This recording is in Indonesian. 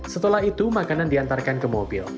setelah itu makanan diantarkan ke mobil